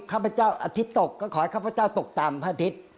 ข้าพเจ้าอาทิตย์ตกก็ขอให้ข้าพเจ้าตกต่ำพระอาทิตย์